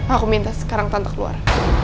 aku minta sekarang tanpa keluar